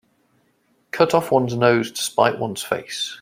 Cut off one's nose to spite one's face.